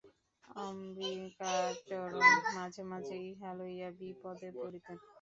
অম্বিকাচরণ মাঝে মাঝে ইহা লইয়া বিপদে পড়িতেন।